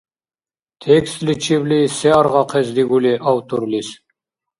Текстличибли се аргъахъес дигули авторлис?